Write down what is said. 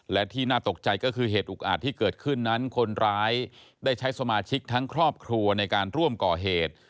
และที่น่าตกใจก็คือเหตุอุกอาจที่เกิดขึ้นนั้นคนร้ายได้ใช้สมาชิกทั้งครอบครัวในการร่วมก่อเหตุ